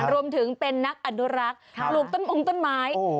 รวมถึงเป็นนักอนุรักษ์ปลูกต้นมงต้นไม้